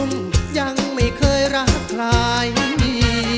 ว่างั้นเป็นอะไร